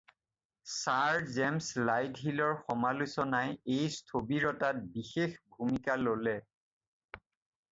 Sir James লাইটহিলৰ সমালোচনাই এই স্থবিৰতাত বিশেষ ভূমিকা ল'লে।